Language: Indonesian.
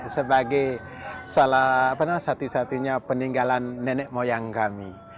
sebagai salah satu satunya peninggalan nenek moyang kami